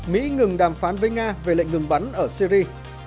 mỹ ngừng đàm phán với nga về lệnh ngừng bắn ở syri